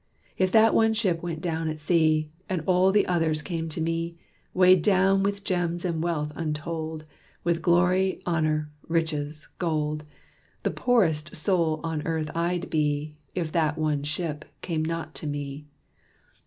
"If that one ship went down at sea, And all the others came to me, Weighed down with gems and wealth untold, With glory, honor, riches, gold, The poorest soul on earth I'd be If that one ship came not to me.